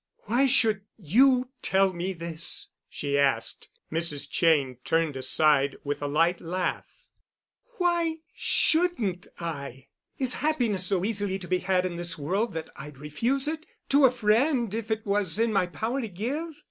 "Why should you tell me this?" she asked. Mrs. Cheyne turned aside with a light laugh. "Why shouldn't I? Is happiness so easily to be had in this world that I'd refuse it—to a friend if it was in my power to give?